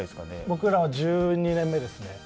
僕らは１２年目ですね。